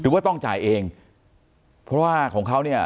ว่าต้องจ่ายเองเพราะว่าของเขาเนี่ย